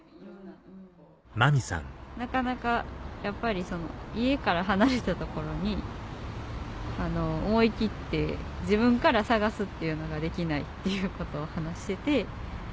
なかなかやっぱり家から離れた所に思い切って自分から探すっていうのができないっていうことを話してて。